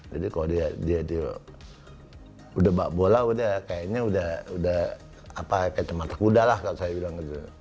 jadi kalau dia udah bak bola kayaknya udah kayak teman tekuda lah kalau saya bilang gitu